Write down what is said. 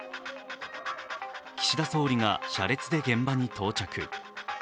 岸田総理が車列で現場に到着。